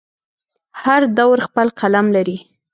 هر دور خپل قلم لري.